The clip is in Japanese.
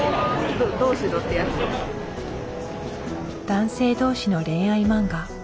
男性同士の恋愛漫画。